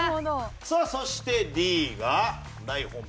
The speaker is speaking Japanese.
さあそしてＤが大本命。